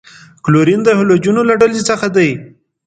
کلورین د هلوجنو له ډلې څخه دی.